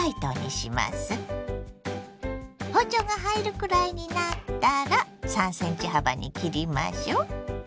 包丁が入るくらいになったら３ｃｍ幅に切りましょ。